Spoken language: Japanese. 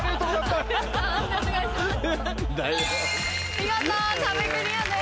見事壁クリアです。